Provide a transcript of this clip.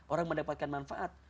orang mendapatkan manfaat